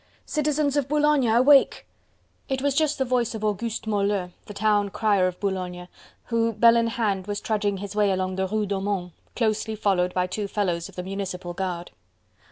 "Citizens of Boulogne, awake!" It was just the voice of Auguste Moleux, the town crier of Boulogne, who, bell in hand, was trudging his way along the Rue Daumont, closely followed by two fellows of the municipal guard.